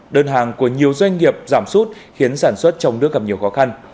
đơn hàng của nhiều doanh nghiệp giảm sút khiến sản xuất trong nước gặp nhiều khó khăn